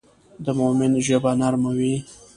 د مؤمن ژبه نرم وي.